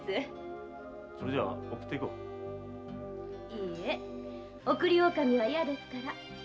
いいえ送り狼は嫌ですから。